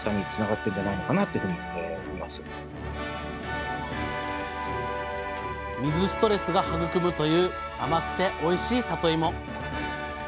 これが水ストレスが育むという甘くておいしいさといも。